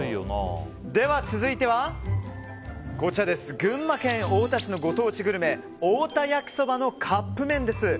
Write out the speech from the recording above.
では、続いては群馬県太田市のご当地グルメ太田やきそばのカップ麺です。